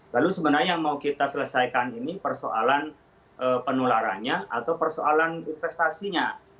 lalu sebenarnya yang mau kita selesaikan ini persoalan penularannya atau persoalan investasinya